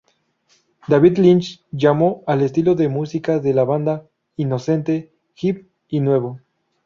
David Lynch llamó al estilo de música de la banda "inocente," hip "y nuevo".